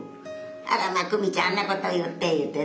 あらまあ久美ちゃんあんなこと言っていうてね。